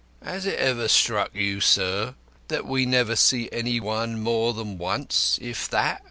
Has it ever struck you, sir, that we never see any one more than once, if that?